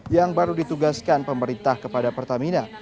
yang baru ditugaskan pemerintah kepada pertamina